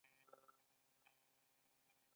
دیګ خواړه پخوي